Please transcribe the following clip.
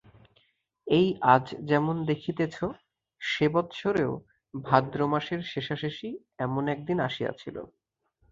এই আজ যেমন দেখিতেছ, সে বৎসরেও ভাদ্র মাসের শেষাশেষি এমন একদিন আসিয়াছিল।